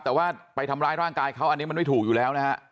แต่ว่าไปทำร้ายร่างกายเขาอันนี้มันไม่ถูกอยู่แล้วนะฮะ